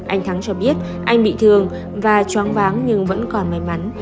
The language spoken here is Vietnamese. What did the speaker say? anh thắng cho biết anh bị thương và choáng váng nhưng vẫn còn may mắn